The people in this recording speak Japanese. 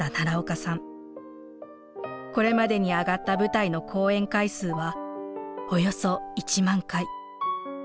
これまでに上がった舞台の公演回数はおよそ１万回。